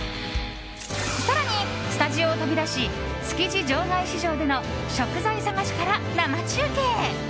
更に、スタジオを飛び出し築地場外市場での食材探しから生中継。